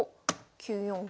９四歩。